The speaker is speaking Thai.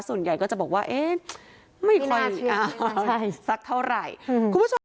ส่วนใหญ่ก็จะบอกว่าไม่น่าเชื่อสักเท่าไหร่